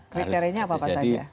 kriterianya apa saja